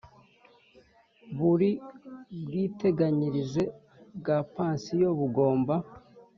Buri bwiteganyirize bwa pansiyo bugomba